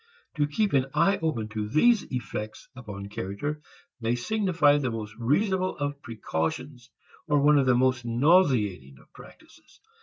To keep an eye open to these effects upon character may signify the most reasonable of precautions or one of the most nauseating of practices.